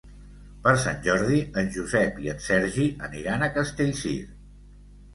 Per Sant Jordi en Josep i en Sergi aniran a Castellcir.